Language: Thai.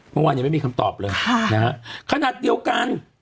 เมื่อวานยังไม่มีคำตอบเลยขนาดเดียวกัน